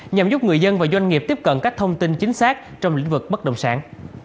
nhằm giúp người dân và doanh nghiệp tiếp cận các thông tin chính xác trong lĩnh vực bất động sản